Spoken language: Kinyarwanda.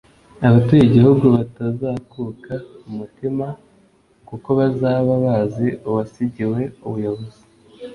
abatuye igihugu batazakuka umutima, kuko bazaba bazi uwasigiwe ubuyobozi